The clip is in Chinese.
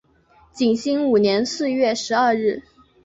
景兴五年四月十二日。